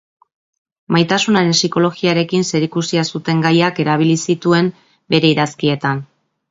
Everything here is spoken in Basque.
Maitasunaren psikologiarekin zerikusia zuten gaiak erabili zituen bere idazkietan.